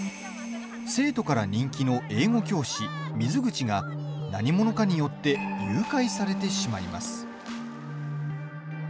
生徒から人気の英語教師・水口が何者かによって誘拐されてしまいます。